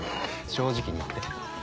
正直に言って。